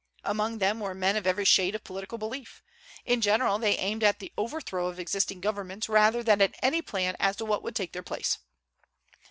Among them were men of every shade of political belief. In general, they aimed at the overthrow of existing governments rather than at any plan as to what would take their place.